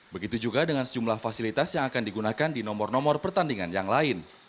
begitu juga dengan sejumlah fasilitas yang akan digunakan di nomor nomor pertandingan yang lain